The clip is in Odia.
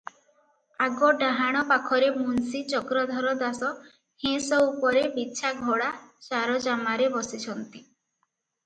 ଆଗ ଡାହାଣପାଖରେ ମୁନସି ଚକ୍ରଧର ଦାସ ହେଁସ ଉପରେ ବିଛା ଘୋଡ଼ା ଚାରଜାମାରେ ବସିଛନ୍ତି ।